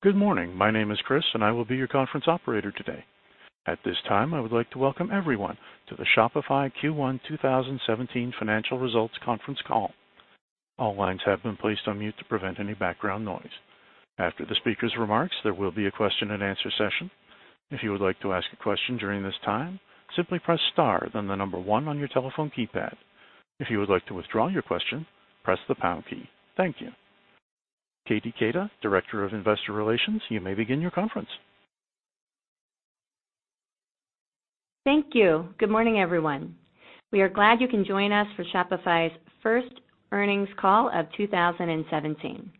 Good morning. My name is Chris, and I will be your conference operator today. At this time, I would like to welcome everyone to the Shopify Q1 2017 financial results conference call. All lines have been placed on mute to prevent any background noise. After the speaker's remarks, there will be a question-and-answer session. If you would like to ask a question during this time, simply press star then the number 1 on your telephone keypad. If you would like to withdraw your question, press the pound key. Thank you. Katie Keita, Director of Investor Relations, you may begin your conference. Thank you. Good morning, everyone. We are glad you can join us for Shopify's first earnings call of 2017.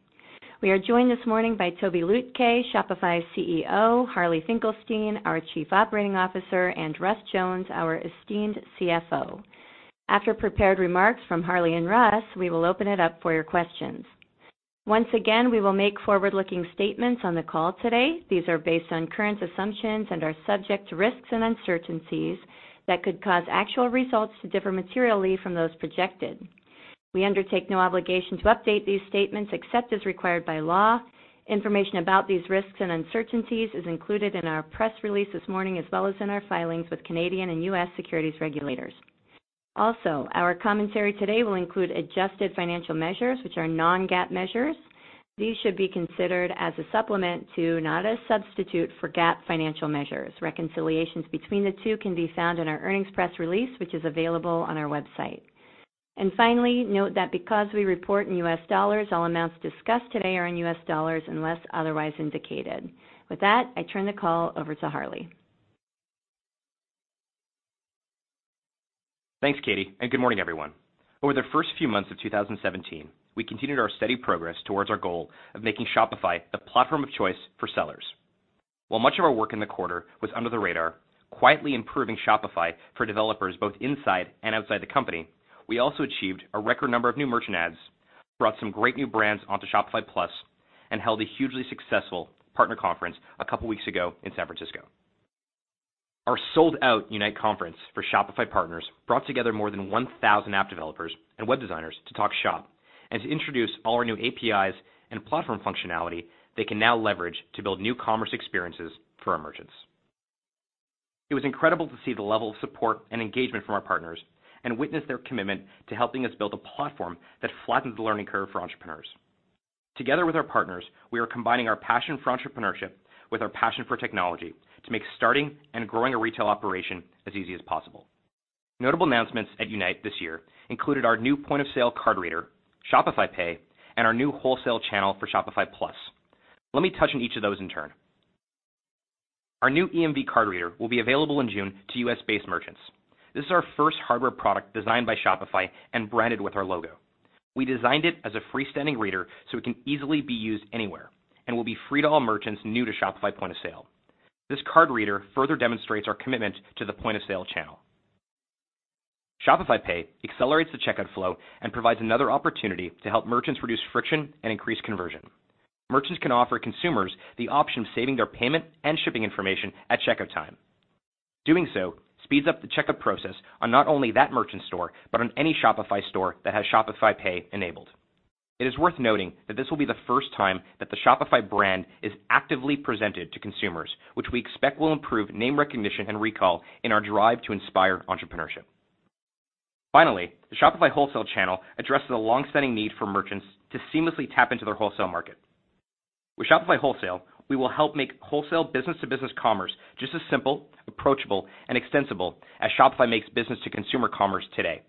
We are joined this morning by Tobi Lütke, Shopify's CEO, Harley Finkelstein, our Chief Operating Officer, and Russ Jones, our esteemed CFO. After prepared remarks from Harley and Russ, we will open it up for your questions. We will make forward-looking statements on the call today. These are based on current assumptions and are subject to risks and uncertainties that could cause actual results to differ materially from those projected. We undertake no obligation to update these statements except as required by law. Information about these risks and uncertainties is included in our press release this morning, as well as in our filings with Canadian and U.S. securities regulators. Our commentary today will include adjusted financial measures which are non-GAAP measures. These should be considered as a supplement to, not a substitute for GAAP financial measures. Reconciliations between the two can be found in our earnings press release, which is available on our website. Finally, note that because we report in US dollars, all amounts discussed today are in US dollars unless otherwise indicated. With that, I turn the call over to Harley. Thanks, Katie. Good morning, everyone. Over the first few months of 2017, we continued our steady progress towards our goal of making Shopify the platform of choice for sellers. While much of our work in the quarter was under the radar, quietly improving Shopify for developers both inside and outside the company, we also achieved a record number of new merchant adds, brought some great new brands onto Shopify Plus, and held a hugely successful partner conference a couple weeks ago in San Francisco. Our sold-out Unite conference for Shopify partners brought together more than 1,000 app developers and web designers to talk shop and to introduce all our new APIs and platform functionality they can now leverage to build new commerce experiences for our merchants. It was incredible to see the level of support and engagement from our partners and witness their commitment to helping us build a platform that flattens the learning curve for entrepreneurs. Together with our partners, we are combining our passion for entrepreneurship with our passion for technology to make starting and growing a retail operation as easy as possible. Notable announcements at Unite this year included our new point-of-sale card reader, Shopify Pay, and our new wholesale channel for Shopify Plus. Let me touch on each of those in turn. Our new EMV card reader will be available in June to U.S.-based merchants. This is our first hardware product designed by Shopify and branded with our logo. We designed it as a freestanding reader, so it can easily be used anywhere and will be free to all merchants new to Shopify point of sale. This card reader further demonstrates our commitment to the POS channel. Shopify Pay accelerates the checkout flow and provides another opportunity to help merchants reduce friction and increase conversion. Merchants can offer consumers the option of saving their payment and shipping information at checkout time. Doing so speeds up the checkout process on not only that merchant store but on any Shopify store that has Shopify Pay enabled. It is worth noting that this will be the first time that the Shopify brand is actively presented to consumers, which we expect will improve name recognition and recall in our drive to inspire entrepreneurship. Finally, the Shopify Wholesale channel addresses a long-standing need for merchants to seamlessly tap into their wholesale market. With Shopify Wholesale, we will help make wholesale B2B commerce just as simple, approachable, and extensible as Shopify makes B2C commerce today.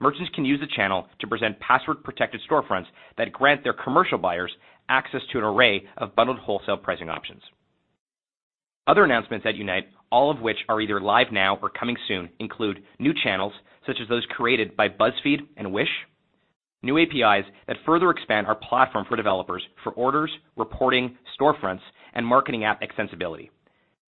Merchants can use the channel to present password-protected storefronts that grant their commercial buyers access to an array of bundled wholesale pricing options. Other announcements at Unite, all of which are either live now or coming soon, include new channels such as those created by BuzzFeed and Wish, new APIs that further expand our platform for developers for orders, reporting, storefronts, and marketing app extensibility,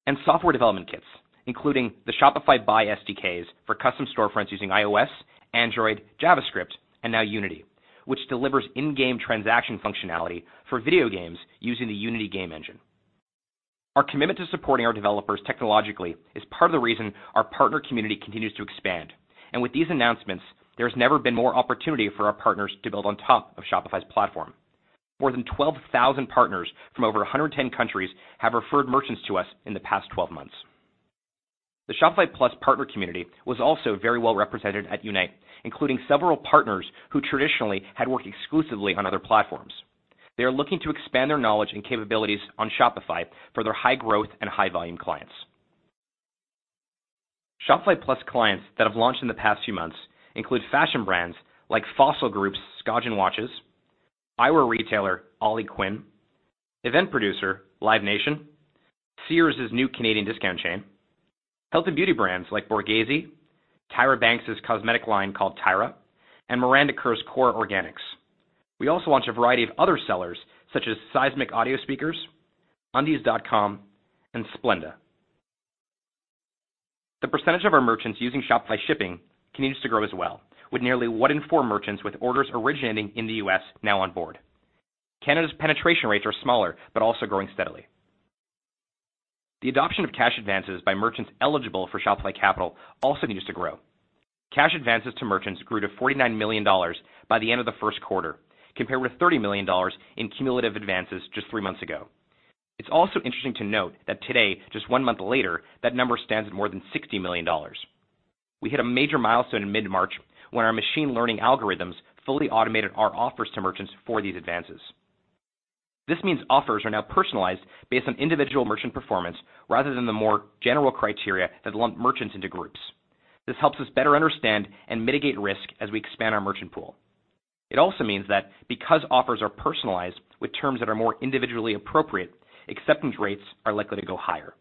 and software development kits, including the Shopify Buy SDKs for custom storefronts using iOS, Android, JavaScript, and now Unity, which delivers in-game transaction functionality for video games using the Unity game engine. Our commitment to supporting our developers technologically is part of the reason our partner community continues to expand. With these announcements, there has never been more opportunity for our partners to build on top of Shopify's platform. More than 12,000 partners from over 110 countries have referred merchants to us in the past 12 months. The Shopify Plus partner community was also very well represented at Unite, including several partners who traditionally had worked exclusively on other platforms. They are looking to expand their knowledge and capabilities on Shopify for their high-growth and high-volume clients. Shopify Plus clients that have launched in the past few months include fashion brands like Fossil Group's Skagen Watches, eyewear retailer Ollie Quinn, event producer Live Nation, Sears' new Canadian discount chain, health and beauty brands like Borghese, Tyra Banks' cosmetic line called TYRA, and Miranda Kerr's KORA Organics. We also launched a variety of other sellers, such as Seismic Audio Speakers, Undies.com, and Splenda. The percentage of our merchants using Shopify Shipping continues to grow as well, with nearly one in four merchants with orders originating in the U.S. now on board. Canada's penetration rates are smaller, but also growing steadily. The adoption of cash advances by merchants eligible for Shopify Capital also needs to grow. Cash advances to merchants grew to $49 million by the end of the first quarter, compared with $30 million in cumulative advances just three months ago. It's also interesting to note that today, just one month later, that number stands at more than $60 million. We hit a major milestone in mid-March when our machine learning algorithms fully automated our offers to merchants for these advances. This means offers are now personalized based on individual merchant performance rather than the more general criteria that lump merchants into groups. This helps us better understand and mitigate risk as we expand our merchant pool. It also means that because offers are personalized with terms that are more individually appropriate, acceptance rates are likely to go higher.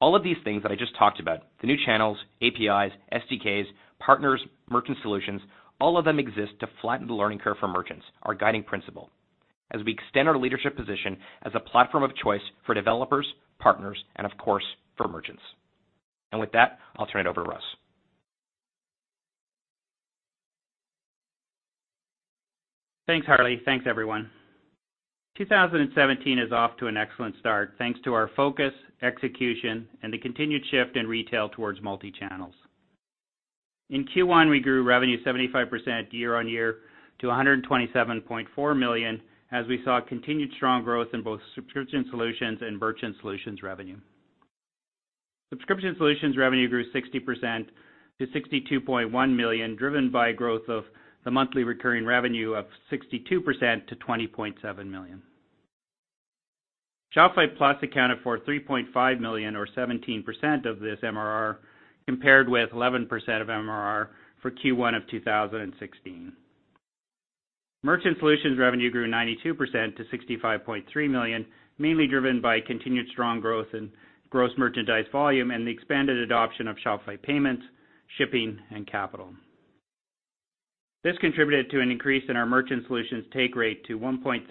All of these things that I just talked about, the new channels, APIs, SDKs, partners, merchant solutions, all of them exist to flatten the learning curve for merchants, our guiding principle, as we extend our leadership position as a platform of choice for developers, partners, and of course, for merchants. With that, I'll turn it over to Russ. Thanks, Harley. Thanks, everyone. 2017 is off to an excellent start, thanks to our focus, execution, and the continued shift in retail towards multi-channels. In Q1, we grew revenue 75% year-on-year to $127.4 million as we saw continued strong growth in both subscription solutions and merchant solutions revenue. Subscription solutions revenue grew 60% to $62.1 million, driven by growth of the monthly recurring revenue of 62% to $20.7 million. Shopify Plus accounted for $3.5 million or 17% of this MRR, compared with 11% of MRR for Q1 of 2016. Merchant solutions revenue grew 92% to $65.3 million, mainly driven by continued strong growth in gross merchandise volume and the expanded adoption of Shopify Payments, Shipping, and Capital. This contributed to an increase in our merchant solutions take rate to 1.35%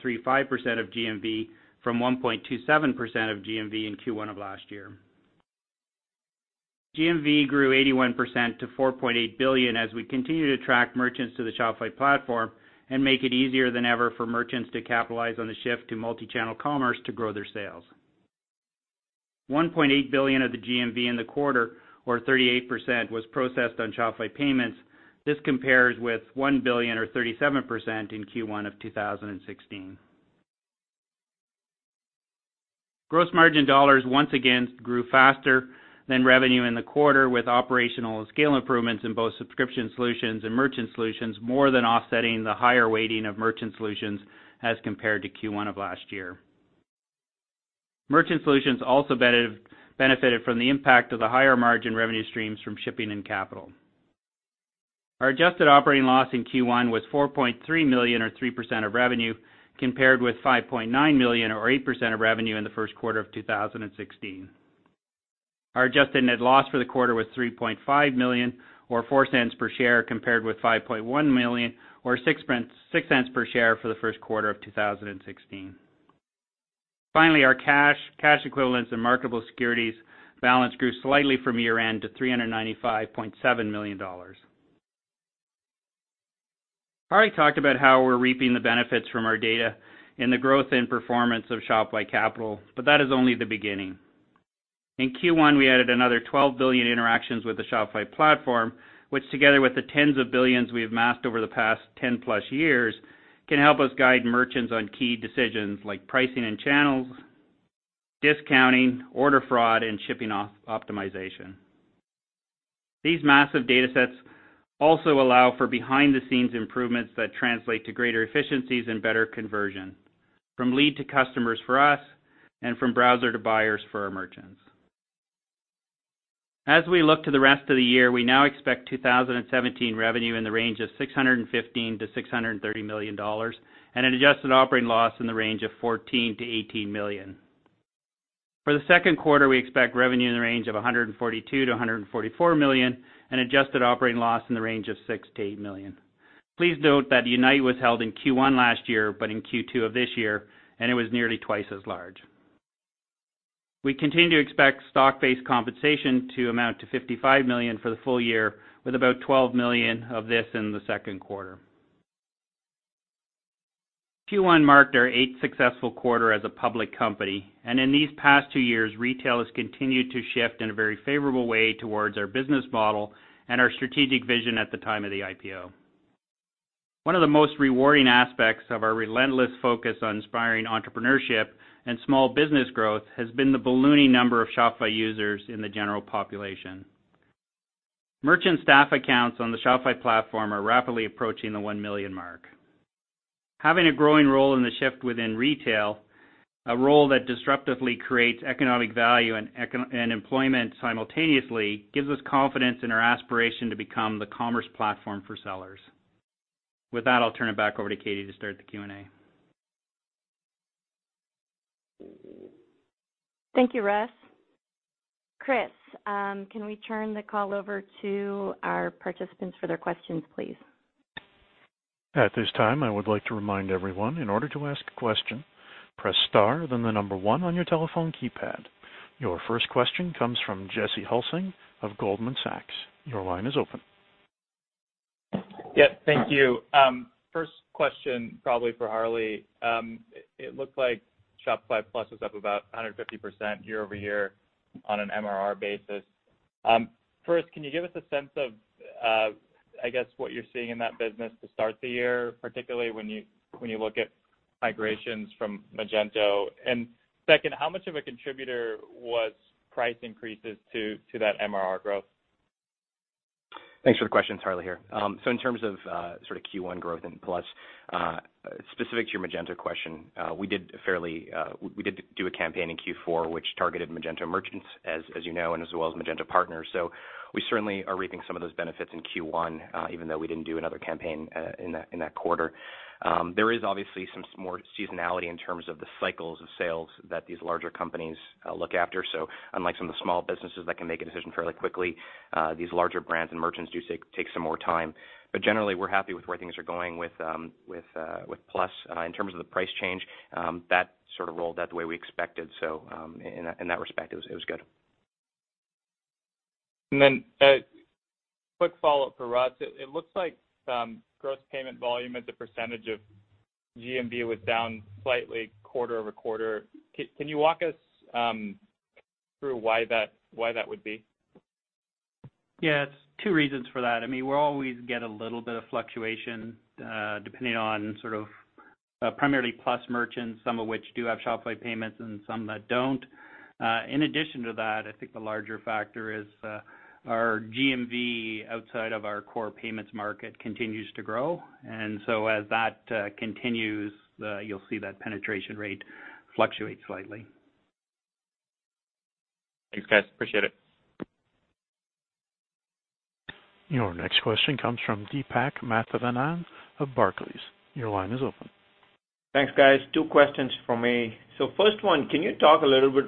of GMV from 1.27% of GMV in Q1 of last year. GMV grew 81% to $4.8 billion as we continue to attract merchants to the Shopify platform and make it easier than ever for merchants to capitalize on the shift to multichannel commerce to grow their sales. $1.8 billion of the GMV in the quarter, or 38%, was processed on Shopify Payments. This compares with $1 billion or 37% in Q1 of 2016. Gross margin dollars once again grew faster than revenue in the quarter with operational scale improvements in both subscription solutions and merchant solutions, more than offsetting the higher weighting of merchant solutions as compared to Q1 of last year. Merchant solutions also benefited from the impact of the higher margin revenue streams from Shopify Shipping and Shopify Capital. Our adjusted operating loss in Q1 was $4.3 million or 3% of revenue, compared with $5.9 million or 8% of revenue in the first quarter of 2016. Our adjusted net loss for the quarter was $3.5 million or $0.04 per share, compared with $5.1 million or $0.06 per share for the first quarter of 2016. Finally, our cash equivalents and marketable securities balance grew slightly from year-end to $395.7 million. Harley talked about how we're reaping the benefits from our data in the growth and performance of Shopify Capital. That is only the beginning. In Q1, we added another 12 billion interactions with the Shopify platform, which together with the tens of billions we have amassed over the past 10-plus years can help us guide merchants on key decisions like pricing and channels, discounting, order fraud, and shipping optimization. These massive datasets also allow for behind-the-scenes improvements that translate to greater efficiencies and better conversion from lead to customers for us and from browser to buyers for our merchants. As we look to the rest of the year, we now expect 2017 revenue in the range of $615 million-$630 million and an adjusted operating loss in the range of $14 million-$18 million. For the second quarter, we expect revenue in the range of $142 million-$144 million and adjusted operating loss in the range of $6 million-$8 million. Please note that Unite was held in Q1 last year, but in Q2 of this year, and it was nearly twice as large. We continue to expect stock-based compensation to amount to $55 million for the full year, with about $12 million of this in the second quarter. Q1 marked our eighth successful quarter as a public company, and in these past two years, retail has continued to shift in a very favorable way towards our business model and our strategic vision at the time of the IPO. One of the most rewarding aspects of our relentless focus on inspiring entrepreneurship and small business growth has been the ballooning number of Shopify users in the general population. Merchant staff accounts on the Shopify platform are rapidly approaching the one million mark. Having a growing role in the shift within retail, a role that disruptively creates economic value and employment simultaneously gives us confidence in our aspiration to become the commerce platform for sellers. With that, I'll turn it back over to Katie to start the Q&A. Thank you, Russ. Chris, can we turn the call over to our participants for their questions, please? At this time, I would like to remind everyone in order to ask a question, press star then the number one on your telephone keypad. Your first question comes from Jesse Hulsing of Goldman Sachs. Your line is open. Yeah. Thank you. First question probably for Harley. It looks like Shopify Plus is up about 150% year-over-year on an MRR basis. First, can you give us a sense of, I guess, what you're seeing in that business to start the year, particularly when you look at migrations from Magento? Second, how much of a contributor was price increases to that MRR growth? Thanks for the question. It's Harley here. In terms of Q1 growth in Plus, specific to your Magento question, we did do a campaign in Q4 which targeted Magento merchants, as you know, and as well as Magento partners. We certainly are reaping some of those benefits in Q1, even though we didn't do another campaign in that quarter. There is obviously some more seasonality in terms of the cycles of sales that these larger companies look after. Unlike some of the small businesses that can make a decision fairly quickly, these larger brands and merchants do take some more time. Generally, we're happy with where things are going with Plus. In terms of the price change, that sort of rolled out the way we expected, so, in that respect, it was good. Quick follow-up for Russ. It looks like gross payment volume as a percentage of GMV was down slightly quarter-over-quarter. Can you walk us through why that would be? Yeah. It's two reasons for that. I mean, we always get a little bit of fluctuation, depending on sort of, primarily Plus merchants, some of which do have Shopify Payments and some that don't. In addition to that, I think the larger factor is, our GMV outside of our core Payments market continues to grow. As that continues, you'll see that penetration rate fluctuate slightly. Thanks, guys. Appreciate it. Your next question comes from Deepak Mathivanan of Barclays. Your line is open. Thanks, guys. Two questions from me. First one, can you talk a little bit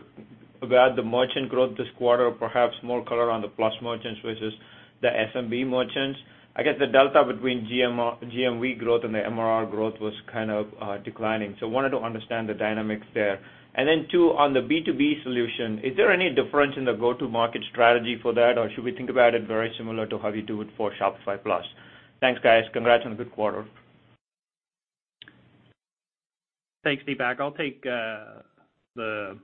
about the merchant growth this quarter, perhaps more color on the Plus merchants versus the SMB merchants? I guess the delta between GMV growth and the MRR growth was kind of declining. Wanted to understand the dynamics there. Two, on the B2B solution, is there any difference in the go-to-market strategy for that, or should we think about it very similar to how you do it for Shopify Plus? Thanks, guys. Congrats on a good quarter. Thanks, Deepak. I'll take the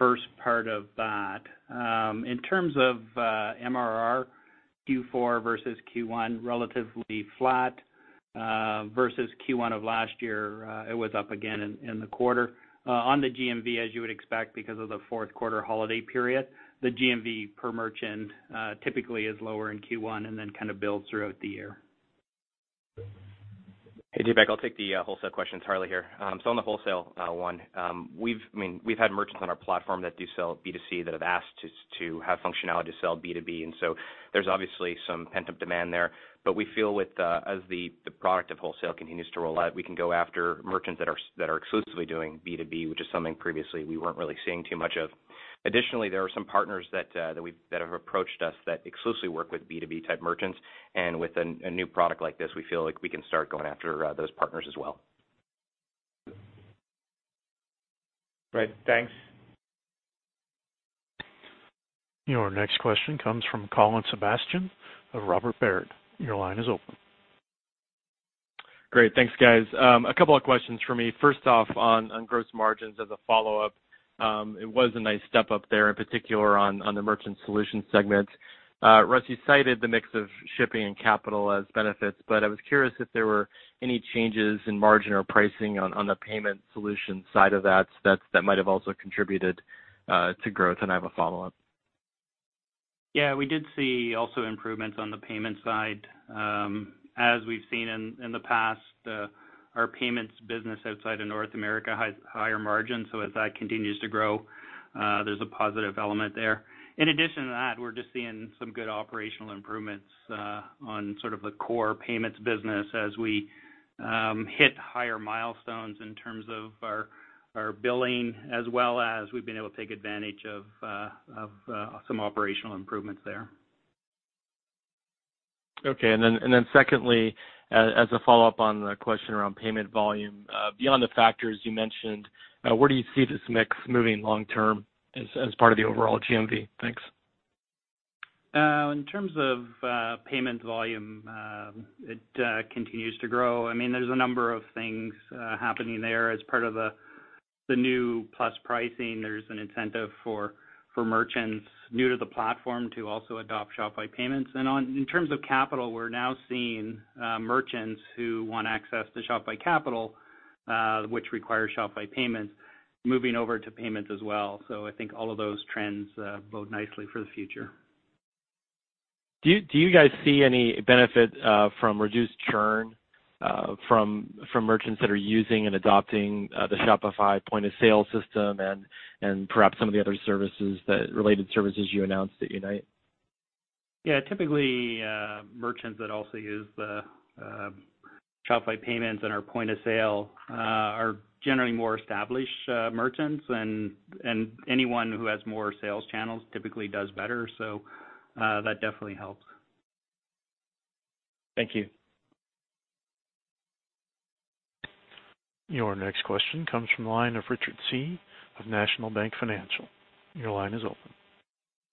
first part of that. In terms of MRR, Q4 versus Q1, relatively flat. Versus Q1 of last year, it was up again in the quarter. On the GMV, as you would expect because of the fourth quarter holiday period, the GMV per merchant typically is lower in Q1 and then kind of builds throughout the year. Hey, Deepak. I'll take the wholesale question. It's Harley here. On the wholesale one, we've had merchants on our platform that do sell B2C that have asked to have functionality to sell B2B, there's obviously some pent-up demand there. We feel with the, as the product of wholesale continues to roll out, we can go after merchants that are exclusively doing B2B, which is something previously we weren't really seeing too much of. Additionally, there are some partners that have approached us that exclusively work with B2B type merchants, with a new product like this, we feel like we can start going after those partners as well. Great. Thanks. Your next question comes from Colin Sebastian of Robert Baird. Your line is open. Great. Thanks, guys. A couple of questions from me. First off, on gross margins as a follow-up, it was a nice step up there, in particular on the merchant solutions segment. Russ, you cited the mix of shipping and capital as benefits, but I was curious if there were any changes in margin or pricing on the payment solution side of that that might have also contributed to growth. I have a follow-up. Yeah. We did see also improvements on the payment side. As we've seen in the past, our Payments business outside of North America has higher margins, so as that continues to grow, there's a positive element there. In addition to that, we're just seeing some good operational improvements on sort of the core Payments business as we hit higher milestones in terms of our billing, as well as we've been able to take advantage of some operational improvements there. Okay. Then secondly, as a follow-up on the question around payment volume, beyond the factors you mentioned, where do you see this mix moving long term as part of the overall GMV? Thanks. In terms of payment volume, it continues to grow. I mean, there's a number of things happening there. As part of the new Plus pricing, there's an incentive for merchants new to the platform to also adopt Shopify Payments. In terms of capital, we're now seeing merchants who want access to Shopify Capital, which requires Shopify Payments, moving over to Payments as well. I think all of those trends bode nicely for the future. Do you guys see any benefit from reduced churn from merchants that are using and adopting the Shopify point-of-sale system and perhaps some of the other services that, related services you announced at Unite? Yeah. Typically, merchants that also use the Shopify Payments and our point-of-sale are generally more established merchants. Anyone who has more sales channels typically does better, so, that definitely helps. Thank you. Your next question comes from the line of Richard Tse of National Bank Financial. Your line is open.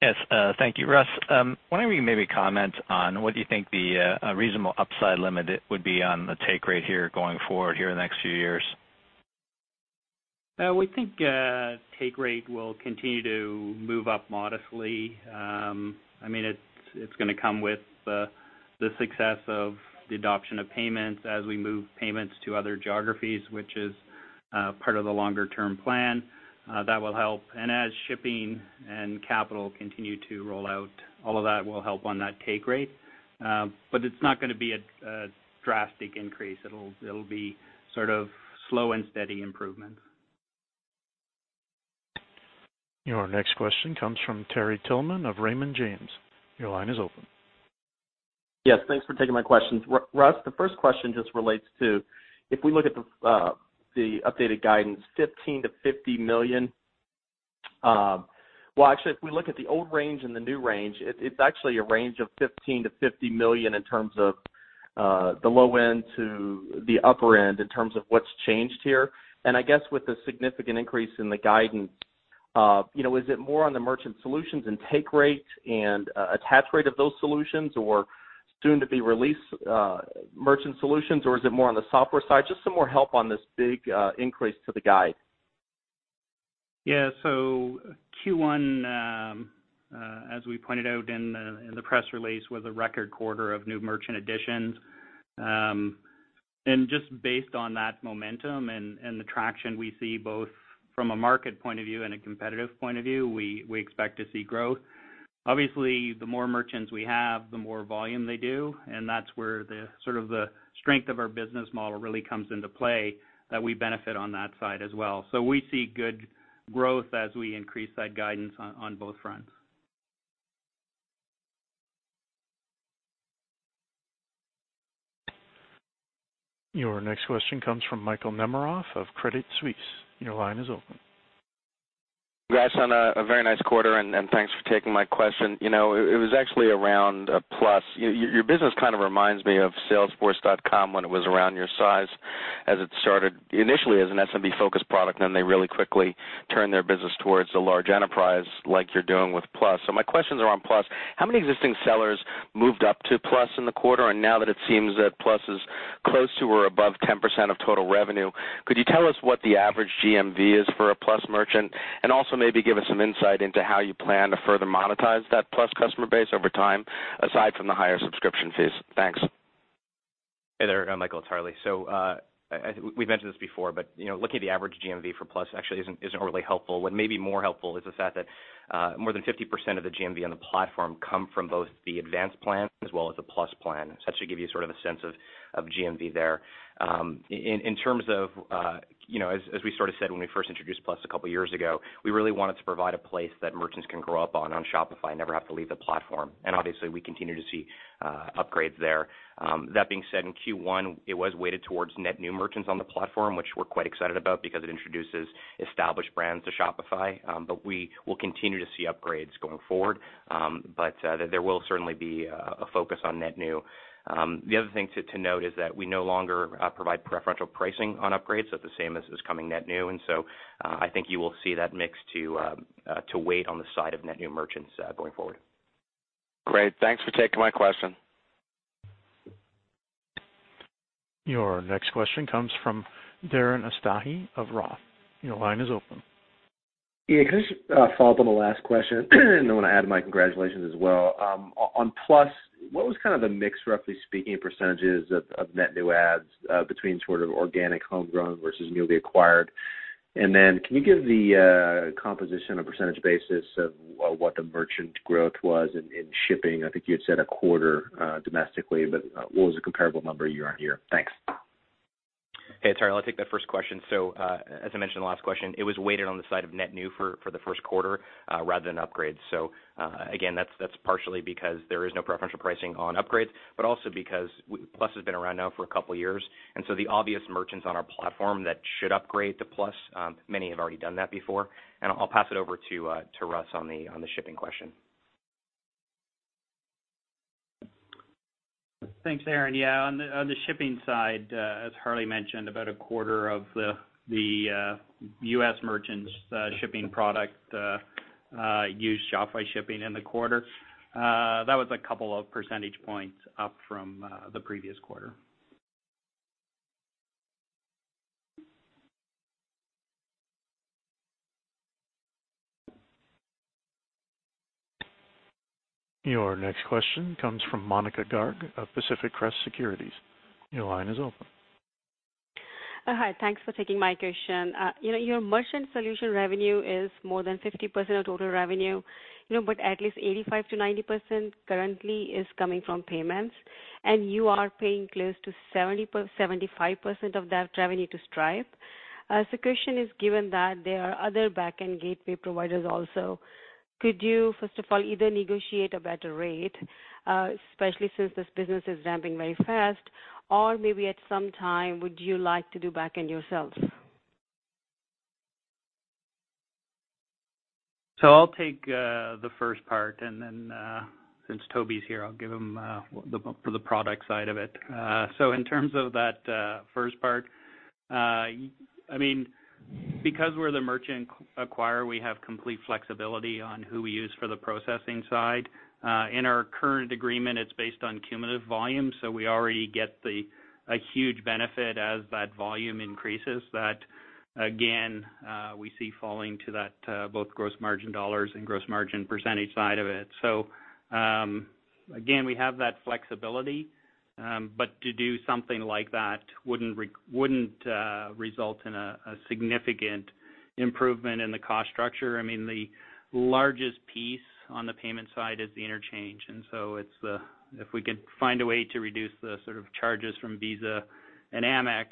Yes, thank you. Russ, wondering if you can maybe comment on what do you think the reasonable upside limit it would be on the take rate here going forward here in the next few years? We think take rate will continue to move up modestly. I mean, it's gonna come with the success of the adoption of Payments as we move Payments to other geographies, which is part of the longer term plan. That will help. As shipping and capital continue to roll out, all of that will help on that take rate. It's not gonna be a drastic increase. It'll be sort of slow and steady improvements. Your next question comes from Terry Tillman of Raymond James. Your line is open. Yes, thanks for taking my questions. Russ, the first question just relates to if we look at the updated guidance, $15 million to $50 million. Well, actually, if we look at the old range and the new range, it's actually a range of $15 million to $50 million in terms of the low end to the upper end in terms of what's changed here. I guess with the significant increase in the guidance, you know, is it more on the merchant solutions and take rate and attach rate of those solutions or soon to be released merchant solutions, or is it more on the software side? Just some more help on this big increase to the guide. Yeah. Q1, as we pointed out in the press release, was a record quarter of new merchant additions. Just based on that momentum and the traction we see both from a market point of view and a competitive point of view, we expect to see growth. Obviously, the more merchants we have, the more volume they do, and that's where the sort of the strength of our business model really comes into play that we benefit on that side as well. We see good growth as we increase that guidance on both fronts. Your next question comes from Michael Nemeroff of Credit Suisse. Your line is open. Russ, on a very nice quarter, and thanks for taking my question. You know, it was actually around Plus. Your business kind of reminds me of Salesforce when it was around your size as it started initially as an SMB-focused product, then they really quickly turned their business towards the large enterprise like you're doing with Plus. My questions are on Plus. How many existing sellers moved up to Plus in the quarter? Now that it seems that Plus is close to or above 10% of total revenue, could you tell us what the average GMV is for a Plus merchant? Also maybe give us some insight into how you plan to further monetize that Plus customer base over time, aside from the higher subscription fees. Thanks. Hey there, Michael. It's Harley. We've mentioned this before, but, you know, looking at the average GMV for Plus actually isn't really helpful. What may be more helpful is the fact that more than 50% of the GMV on the platform come from both the advanced plan as well as the Plus plan. That should give you sort of a sense of GMV there. In terms of, you know, as we sort of said when we first introduced Plus a couple of years ago, we really wanted to provide a place that merchants can grow up on Shopify and never have to leave the platform. Obviously, we continue to see upgrades there. That being said, in Q1, it was weighted towards net new merchants on the platform, which we're quite excited about because it introduces established brands to Shopify. We will continue to see upgrades going forward. There will certainly be a focus on net new. The other thing to note is that we no longer provide preferential pricing on upgrades at the same as is coming net new. I think you will see that mix to weight on the side of net new merchants going forward. Great. Thanks for taking my question. Your next question comes from Darren Aftahi of ROTH. Your line is open. Yeah, can I just follow up on the last question? I wanna add my congratulations as well. On Plus, what was kind of the mix, roughly speaking, percentages of net new adds, between sort of organic homegrown versus newly acquired? Then can you give the composition or percentage basis of what the merchant growth was in shipping? I think you had said a quarter domestically, but what was the comparable number year-on-year? Thanks. Hey, it's Harley. I'll take that first question. As I mentioned in the last question, it was weighted on the side of net new for the first quarter rather than upgrades. Again, that's partially because there is no preferential pricing on upgrades, but also because Plus has been around now for a couple of years. The obvious merchants on our platform that should upgrade to Plus, many have already done that before. I'll pass it over to Russ on the shipping question. Thanks, Darren. Yeah, on the shipping side, as Harley mentioned, about a quarter of the U.S. merchants, shipping product, used Shopify Shipping in the quarter. That was a couple of percentage points up from the previous quarter. Your next question comes from Monika Garg of Pacific Crest Securities. Your line is open. Hi. Thanks for taking my question. You know, your merchant solution revenue is more than 50% of total revenue, you know, but at least 85%-90% currently is coming from Payments, and you are paying close to 70%-75% of that revenue to Stripe. Question is, given that there are other back-end gateway providers also, could you, first of all, either negotiate a better rate, especially since this business is ramping very fast, or maybe at some time would you like to do back-end yourself? I'll take the first part and then, since Tobi's here, I'll give him for the product side of it. In terms of that first part, I mean, because we're the merchant acquirer, we have complete flexibility on who we use for the processing side. In our current agreement, it's based on cumulative volume, we already get a huge benefit as that volume increases. That again, we see falling to that both gross margin dollars and gross margin percentage side of it. Again, we have that flexibility, but to do something like that wouldn't result in a significant improvement in the cost structure. I mean, the largest piece on the payment side is the interchange. If we could find a way to reduce the sort of charges from Visa and Amex,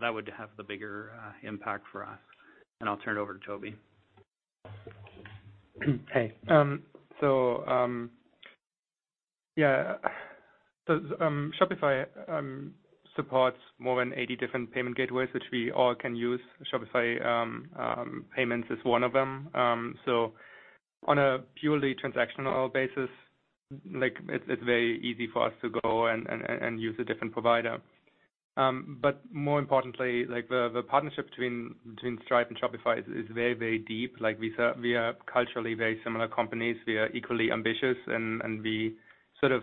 that would have the bigger impact for us. I'll turn it over to Tobi. Hey, yeah. Shopify supports more than 80 different payment gateways, which we all can use. Shopify Payments is one of them. On a purely transactional basis, like it's very easy for us to go and use a different provider. More importantly, like the partnership between Stripe and Shopify is very deep. Like we are culturally very similar companies. We are equally ambitious and we sort of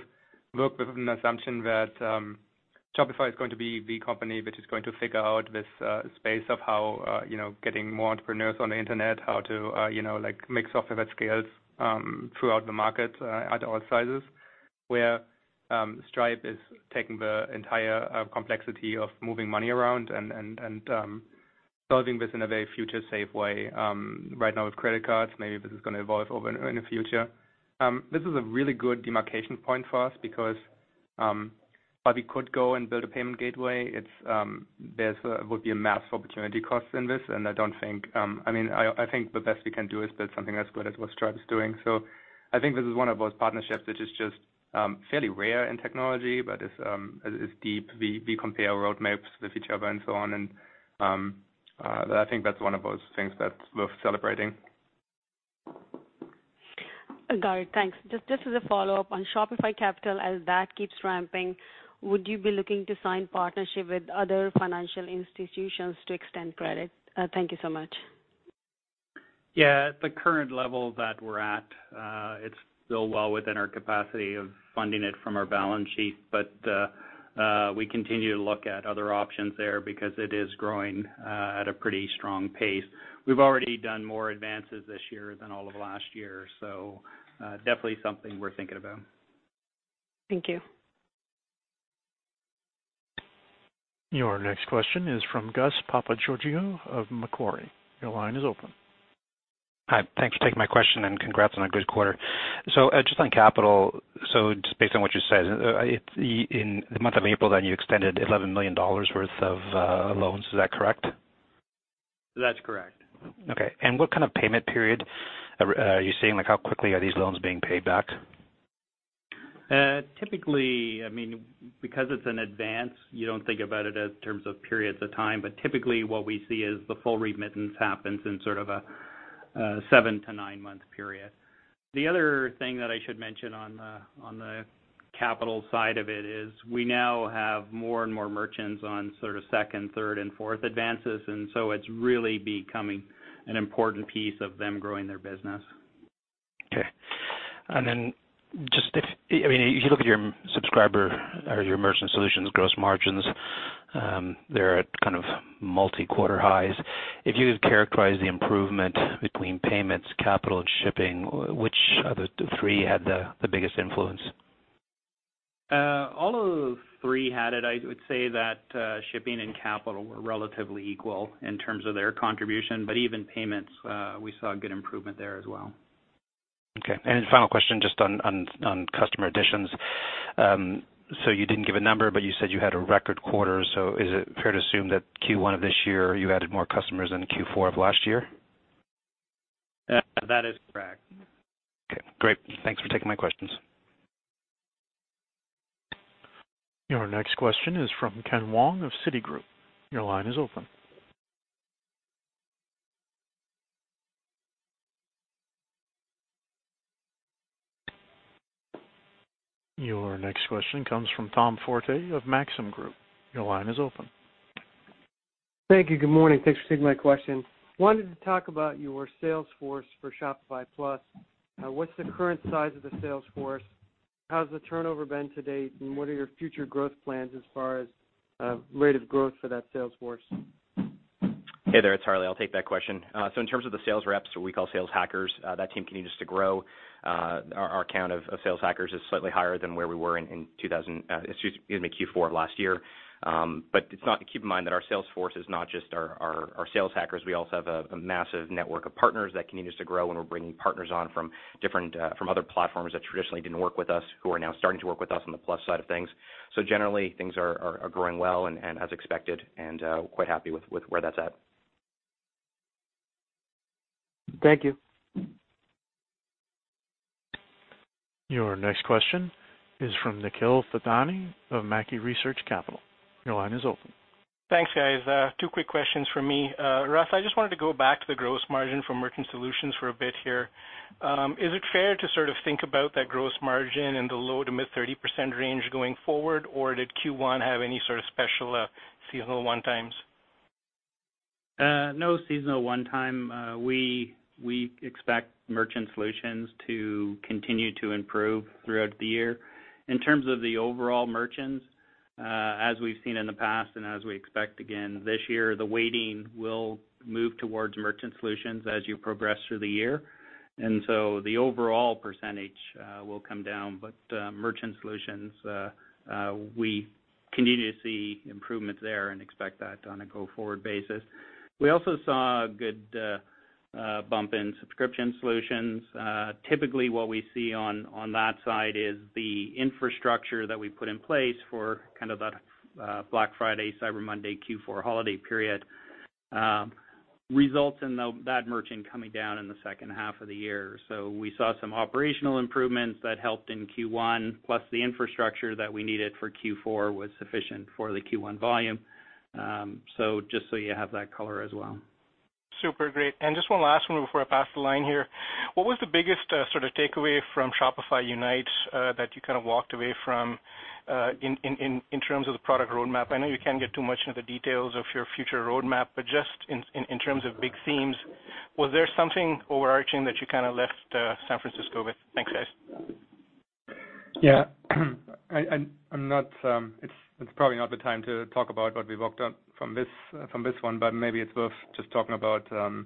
work with an assumption that Shopify is going to be the company which is going to figure out this space of how, you know, getting more entrepreneurs on the internet, how to, you know, like make software that scales throughout the market, at all sizes. Stripe is taking the entire complexity of moving money around and solving this in a very future safe way. Right now with credit cards, maybe this is going to evolve over in the future. This is a really good demarcation point for us because while we could go and build a payment gateway, there would be a massive opportunity cost in this and I don't think, I mean, I think the best we can do is build something as good as what Stripe is doing. I think this is one of those partnerships which is just fairly rare in technology, but it's it's deep. We compare roadmaps with each other and so on. I think that's one of those things that's worth celebrating. Great, thanks. Just as a follow-up on Shopify Capital, as that keeps ramping, would you be looking to sign partnership with other financial institutions to extend credit? Thank you so much. Yeah. At the current level that we're at, it's still well within our capacity of funding it from our balance sheet. We continue to look at other options there because it is growing at a pretty strong pace. We've already done more advances this year than all of last year, definitely something we're thinking about. Thank you. Your next question is from Gus Papageorgiou of Macquarie. Your line is open. Hi. Thank you for taking my question and congrats on a good quarter. just on capital, so just based on what you said, in the month of April then you extended $11 million worth of loans. Is that correct? That's correct. Okay. What kind of payment period are you seeing? Like how quickly are these loans being paid back? Typically, I mean, because it's an advance, you don't think about it as terms of periods of time. Typically what we see is the full remittance happens in sort of a seven to nine-month period. The other thing that I should mention on the, on the capital side of it is we now have more and more merchants on sort of second, third and fourth advances, it's really becoming an important piece of them growing their business. Okay. Just if, I mean, if you look at your subscriber or your Merchant Solutions gross margins, they're at kind of multi-quarter highs. If you could characterize the improvement between Payments, Capital, Shipping, which of the three had the biggest influence? All of the three had it. I would say that Shipping and Capital were relatively equal in terms of their contribution, but even Payments, we saw a good improvement there as well. Okay. Final question just on customer additions. You didn't give a number, but you said you had a record quarter. Is it fair to assume that Q1 of this year you added more customers than Q4 of last year? That is correct. Okay, great. Thanks for taking my questions. Your next question is from Ken Wong of Citigroup. Your line is open. Your next question comes from Tom Forte of Maxim Group. Your line is open. Thank you. Good morning. Thanks for taking my question. I wanted to talk about your sales force for Shopify Plus. What's the current size of the sales force? How's the turnover been to date, and what are your future growth plans as far as rate of growth for that sales force? Hey there, it's Harley. I'll take that question. In terms of the sales reps, what we call sales hackers, that team continues to grow. Our count of sales hackers is slightly higher than where we were in 2000, excuse me, in the Q4 of last year. Keep in mind that our sales force is not just our sales hackers. We also have a massive network of partners that continues to grow, and we're bringing partners on from different platforms that traditionally didn't work with us who are now starting to work with us on the Plus side of things. Generally things are growing well and as expected and quite happy with where that's at. Thank you. Your next question is from Nikhil Thadani of Mackie Research Capital. Your line is open. Thanks, guys. two quick questions for me. Russ, I just wanted to go back to the gross margin for Merchant Solutions for a bit here. Is it fair to sort of think about that gross margin in the low to mid 30% range going forward, or did Q1 have any sort of special, seasonal one-times? No seasonal one-time. We expect Merchant Solutions to continue to improve throughout the year. In terms of the overall merchants, as we've seen in the past and as we expect again this year, the weighting will move towards Merchant Solutions as you progress through the year. The overall percentage will come down, but Merchant Solutions, we continue to see improvements there and expect that on a go-forward basis. We also saw a good bump in subscription solutions. Typically, what we see on that side is the infrastructure that we put in place for kind of that Black Friday, Cyber Monday, Q4 holiday period, results in that merchant coming down in the second half of the year. We saw some operational improvements that helped in Q1, plus the infrastructure that we needed for Q4 was sufficient for the Q1 volume. Just so you have that color as well. Super great. Just one last one before I pass the line here. What was the biggest sort of takeaway from Shopify Unite that you kind of walked away from in terms of the product roadmap? I know you can't get too much into the details of your future roadmap, but just in terms of big themes, was there something overarching that you kinda left San Francisco with? Thanks, guys. Yeah. I'm not. It's probably not the time to talk about what we walked out from this one. Maybe it's worth just talking about, you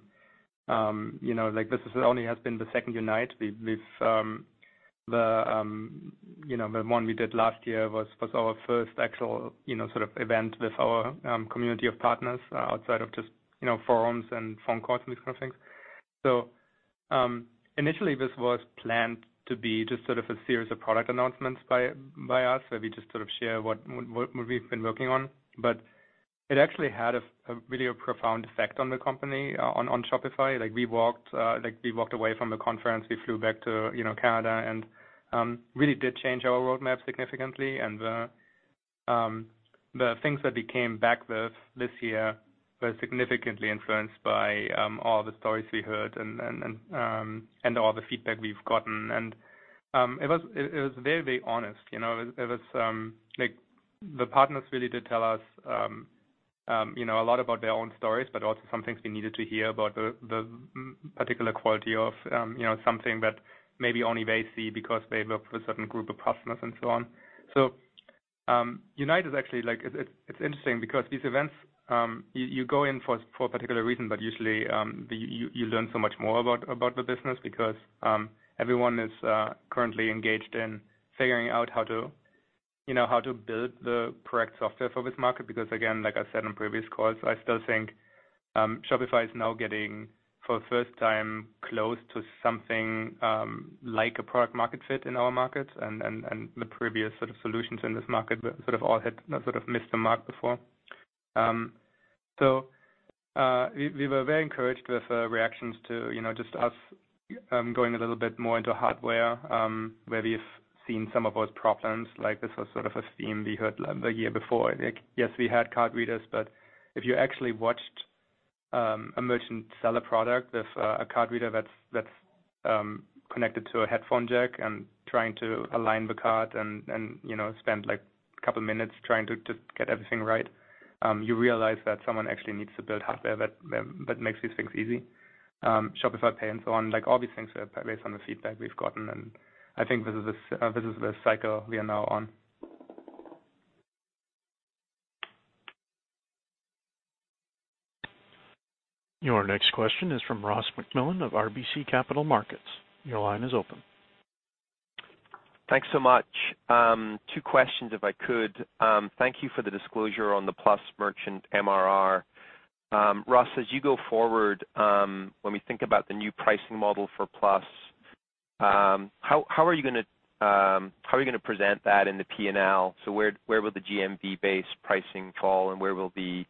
know, like this is only has been the second Unite. We've, the, you know, the one we did last year was our first actual, you know, sort of event with our community of partners, outside of just, you know, forums and phone calls and these kind of things. Initially, this was planned to be just sort of a series of product announcements by us, where we just sort of share what we've been working on. It actually had a really profound effect on the company, on Shopify. Like, we walked away from the conference. We flew back to, you know, Canada and really did change our roadmap significantly. The things that we came back with this year were significantly influenced by all the stories we heard and all the feedback we've gotten. It was very, very honest, you know. It was, like the partners really did tell us, you know, a lot about their own stories, but also some things we needed to hear about the particular quality of, you know, something that maybe only they see because they work with a certain group of customers and so on. Unite is actually like It's interesting because these events, you go in for a particular reason, but usually, you learn so much more about the business because everyone is currently engaged in figuring out how to, you know, how to build the correct software for this market. Again, like I said on previous calls, I still think Shopify is now getting, for the first time, close to something, like a product market fit in our markets and the previous sort of solutions in this market were sort of all had sort of missed the mark before. We were very encouraged with reactions to, you know, just us, going a little bit more into hardware, where we've seen some of those problems. Like, this was sort of a theme we heard the year before. Like, yes, we had card readers, but if you actually watched a merchant sell a product with a card reader that's connected to a headphone jack and trying to align the card and, you know, spend, like, a couple minutes trying to just get everything right, you realize that someone actually needs to build hardware that makes these things easy. Shopify Pay and so on, like all these things are based on the feedback we've gotten, and I think this is the cycle we are now on. Your next question is from Ross MacMillan of RBC Capital Markets. Your line is open. Thanks so much. Two questions if I could. Thank you for the disclosure on the Plus merchant MRR. Russ, as you go forward, when we think about the new pricing model for Plus, how are you gonna present that in the P&L? Where will the GMV-based pricing fall, and where will the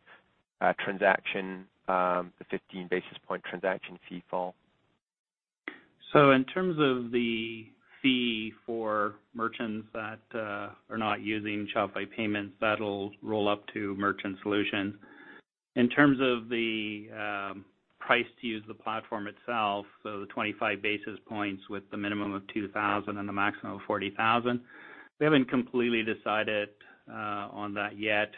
transaction, the 15 basis point transaction fee fall? In terms of the fee for merchants that are not using Shopify Payments, that'll roll up to Merchant Solutions. In terms of the price to use the platform itself, the 25 basis points with the minimum of $2,000 and the maximum of $40,000, we haven't completely decided on that yet.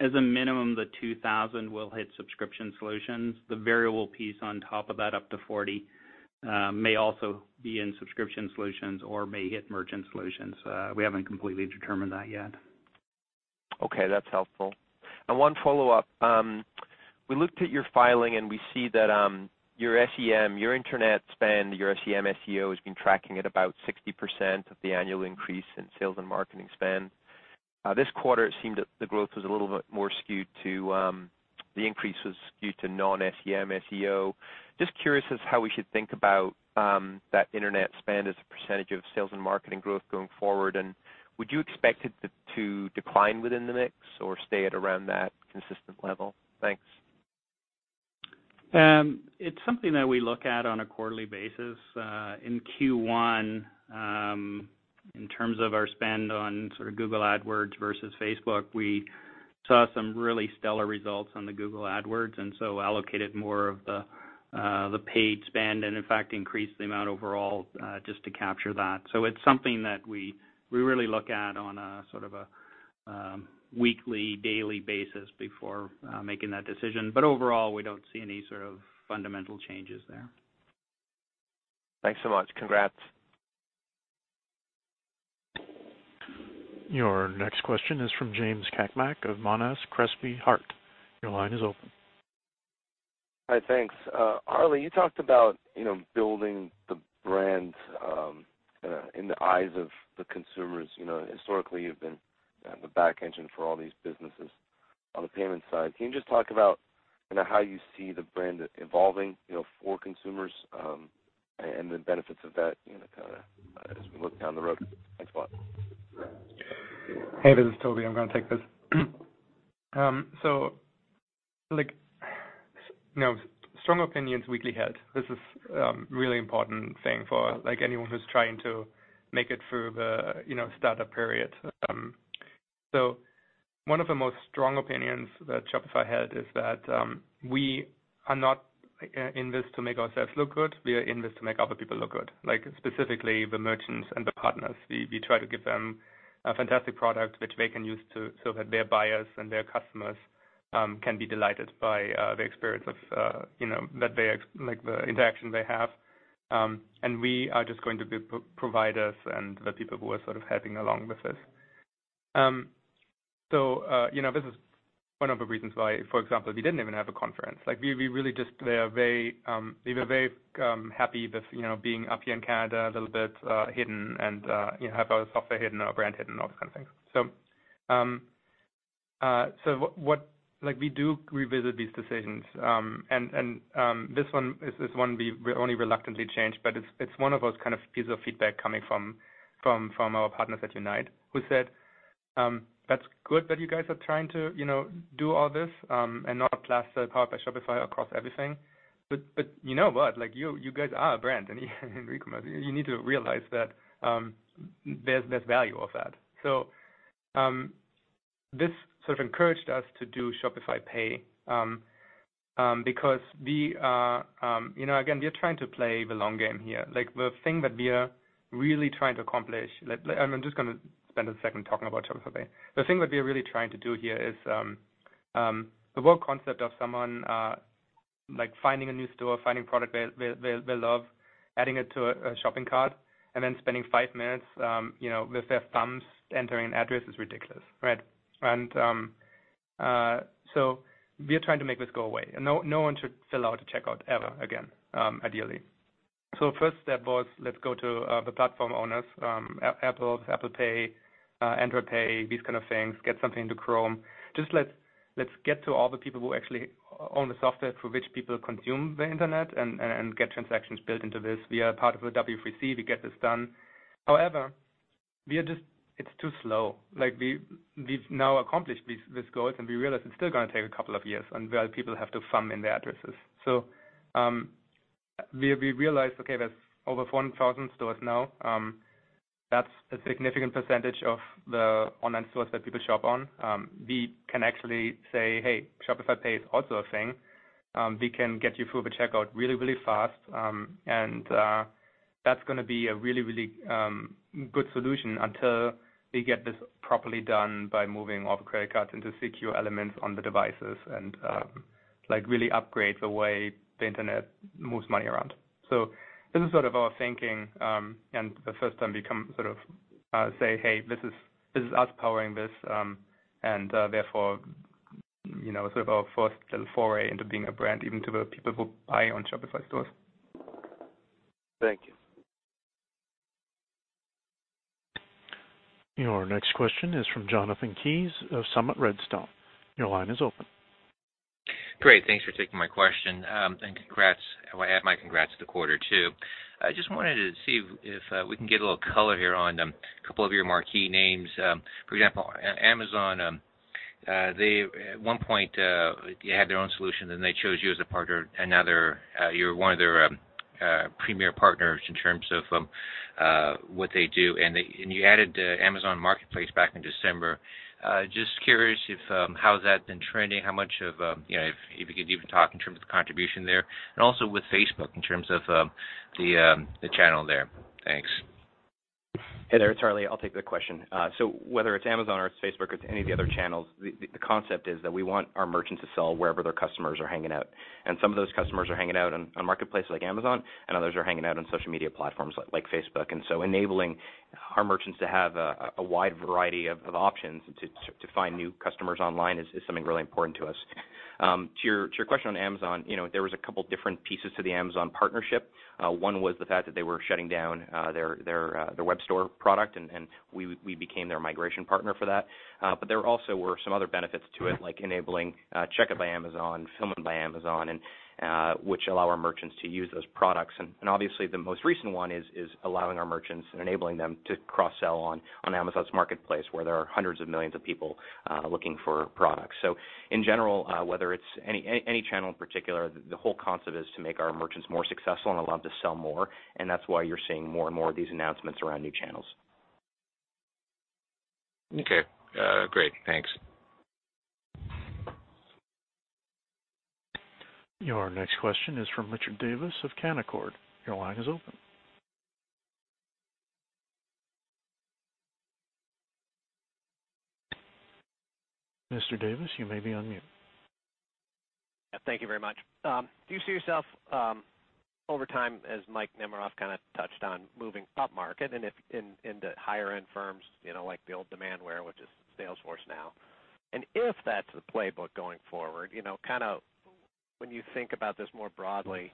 As a minimum, the $2,000 will hit Subscription Solutions. The variable piece on top of that, up to $40,000, may also be in Subscription Solutions or may hit Merchant Solutions. We haven't completely determined that yet. Okay, that's helpful. One follow-up. We looked at your filing, and we see that your SEM, your internet spend, your SEM SEO has been tracking at about 60% of the annual increase in sales and marketing spend. This quarter, it seemed that the increase was skewed to non-SEM SEO. Just curious as how we should think about that internet spend as a percentage of sales and marketing growth going forward. Would you expect it to decline within the mix or stay at around that consistent level? Thanks. It's something that we look at on a quarterly basis. In Q1, in terms of our spend on sort of Google AdWords versus Facebook, we saw some really stellar results on the Google AdWords, allocated more of the paid spend, and in fact, increased the amount overall, just to capture that. It's something that we really look at on a sort of a weekly, daily basis before making that decision. Overall, we don't see any sort of fundamental changes there. Thanks so much. Congrats. Your next question is from James Cakmak of Monness, Crespi, Hardt. Your line is open. Hi. Thanks. Harley, you talked about, you know, building the brand in the eyes of the consumers. You know, historically, you've been the back engine for all these businesses on the payment side. Can you just talk about, you know, how you see the brand evolving, you know, for consumers, and the benefits of that, you know, kind of as we look down the road? Thanks a lot. Hey, this is Tobi. I'm gonna take this. Like, you know, strong opinions weakly held. This is really important thing for, like, anyone who's trying to make it through the, you know, startup period. One of the most strong opinions that Shopify had is that we are not in this to make ourselves look good. We are in this to make other people look good, like specifically the merchants and the partners. We try to give them a fantastic product which they can use to so that their buyers and their customers can be delighted by the experience of, you know, like the interaction they have. We are just going to be providers and the people who are sort of helping along with this. You know, this is one of the reasons why, for example, we didn't even have a conference. Like we really just, we are very, we were very happy with, you know, being up here in Canada, a little bit hidden and, you know, have our software hidden, our brand hidden, all those kind of things. What Like, we do revisit these decisions. This one is one we only reluctantly changed, but it's one of those kind of pieces of feedback coming from our partners at Unite who said, That's good that you guys are trying to, you know, do all this, and not plaster 'Powered by Shopify' across everything. You know what. Like, you guys are a brand, and you need to realize that there's value of that. This sort of encouraged us to do Shopify Pay because we are, you know, again, we are trying to play the long game here. Like the thing that we are really trying to accomplish, I'm just gonna spend a second talking about Shopify Pay. The thing that we are really trying to do here is the whole concept of someone like finding a new store, finding product they'll love, adding it to a shopping cart, and then spending five minutes, you know, with their thumbs entering an address is ridiculous, right? We are trying to make this go away. No one should fill out a checkout ever again, ideally. First step was let's go to the platform owners, Apple Pay, Android Pay, these kind of things, get something into Chrome. Let's get to all the people who actually own the software through which people consume the internet and get transactions built into this. We are part of the W3C. We get this done. It's too slow. We've now accomplished this goal, and we realize it's still gonna take a couple of years and where people have to thumb in their addresses. We realized there's over 1,000 stores now. That's a significant percentage of the online stores that people shop on. We can actually say, Hey, Shopify Pay is also a thing. We can get you through the checkout really fast. That's gonna be a really good solution until we get this properly done by moving all the credit cards into secure elements on the devices and, like really upgrade the way the internet moves money around. This is sort of our thinking, and the first time we come sort of, say, Hey, this is us powering this. Therefore, you know, sort of our first little foray into being a brand even to the people who buy on Shopify stores. Thank you. Your next question is from Jonathan Kees of Summit Redstone. Your line is open. Great. Thanks for taking my question. Congrats. I add my congrats to the quarter too. I just wanted to see if we can get a little color here on a couple of your marquee names. For example, Amazon, they at one point had their own solution, then they chose you as a partner. Another, you're one of their premier partners in terms of what they do. You added Amazon Marketplace back in December. Just curious if how that's been trending, how much of, you know, if you could even talk in terms of contribution there, and also with Facebook in terms of the channel there. Thanks. Hey there, it's Harley. I'll take the question. Whether it's Amazon or it's Facebook or it's any of the other channels, the concept is that we want our merchants to sell wherever their customers are hanging out. Some of those customers are hanging out on marketplaces like Amazon, and others are hanging out on social media platforms like Facebook. Enabling our merchants to have a wide variety of options to find new customers online is something really important to us. To your question on Amazon, you know, there was a couple different pieces to the Amazon partnership. One was the fact that they were shutting down their Webstore product and we became their migration partner for that. There also were some other benefits to it, like enabling Checkout by Amazon, Fulfillment by Amazon, and which allow our merchants to use those products. And obviously the most recent one is allowing our merchants and enabling them to cross-sell on Amazon's Marketplace, where there are hundreds of millions of people looking for products. In general, whether it's any channel in particular, the whole concept is to make our merchants more successful and allow them to sell more, and that's why you're seeing more and more of these announcements around new channels. Okay. Great. Thanks. Your next question is from Richard Davis of Canaccord. Your line is open. Mr. Davis, you may be on mute. Thank you very much. Do you see yourself over time as Michael Nemeroff kinda touched on moving upmarket and into higher end firms, you know, like the old Demandware, which is Salesforce now. If that's the playbook going forward, you know, kinda when you think about this more broadly,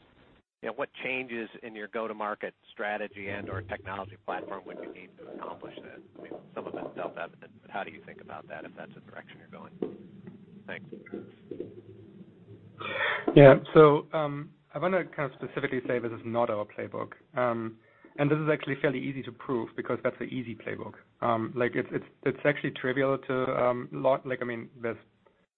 you know, what changes in your go-to-market strategy and/or technology platform would you need to accomplish that? I mean, some of it's self-evident, but how do you think about that if that's the direction you're going? Thanks. Yeah. I wanna kind of specifically say this is not our playbook. This is actually fairly easy to prove because that's the easy playbook. Like it's, it's actually trivial to lot like, I mean, there's